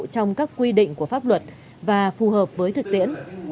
trong các quy định của pháp luật và phù hợp với thực tiễn